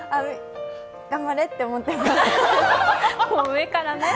頑張れって思ってます。